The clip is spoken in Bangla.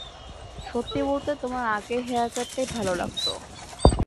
সত্যি বলতে, তোমার আগের হেয়ারকাটটাই ভালো লাগত।